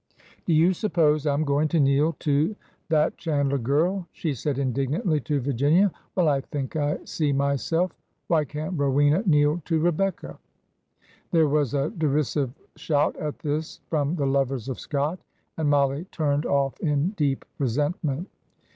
'' Do you suppose I 'm going to kneel to that Chand ler girl?" she said indignantly to Virginia. ''Well, I think I see myself! Why can't Rowena kneel to Re becca? " There was a derisive shout at this from the lovers of Scott, and Mollie turned off in deep resentment.